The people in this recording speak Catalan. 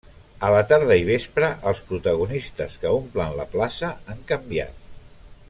A la tarda i vespre, els protagonistes que omplen la plaça han canviat.